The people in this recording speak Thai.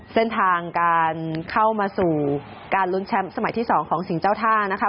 เส้นทางการเข้ามาสู่การลุ้นแชมป์สมัยที่๒ของสิ่งเจ้าท่านะคะ